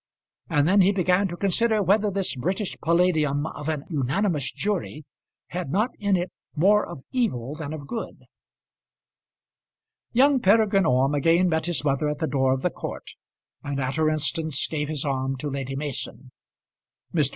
And then he began to consider whether this British palladium of an unanimous jury had not in it more of evil than of good. Young Peregrine Orme again met his mother at the door of the court, and at her instance gave his arm to Lady Mason. Mr.